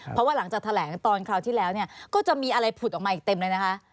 เพราะว่าหลังจากแถลงตอนคราวที่แล้วก็จะมีอะไรผุดออกมาอีกเต็มเลยนะคะ